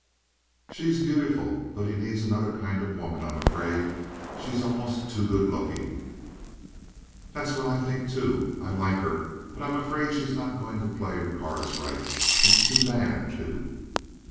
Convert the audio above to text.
She's beautiful, but he needs another kind of woman, I'm afraid. She's almost too good looking." "That's what I think, too. I like her, but I'm afraid she's not going to play her cards right. It's too bad, too."